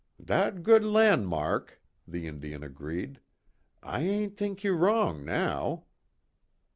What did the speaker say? "Dat good lan' mark," the Indian agreed, "I ain' t'ink you wrong now."